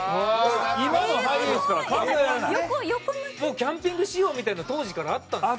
キャンピング仕様みたいの当時からあったんですね。